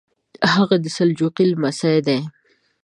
هغه د سلجوقي لمسی دی.